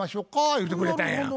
言うてくれたんや。